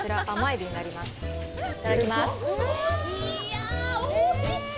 いただきます。